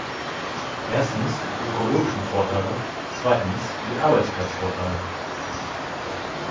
Erstens, die ökologischen Vorteile, zweitens, die Arbeitsplatzvorteile.